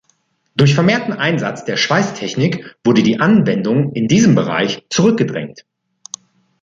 Durch vermehrten Einsatz der Schweißtechnik wurde die Anwendung in diesem Bereich zurückgedrängt.